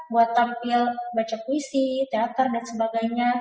buat tampil baca puisi teater dan sebagainya